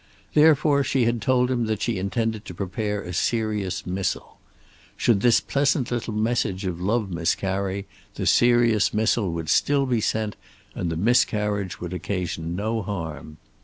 Therefore she had told him that she intended to prepare a serious missile. Should this pleasant little message of love miscarry, the serious missile would still be sent, and the miscarriage would occasion no harm.